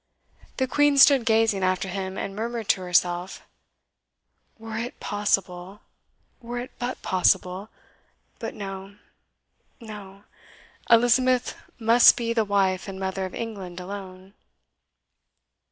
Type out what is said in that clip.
The Queen stood gazing after him, and murmured to herself, "Were it possible were it BUT possible! but no no; Elizabeth must be the wife and mother of England alone."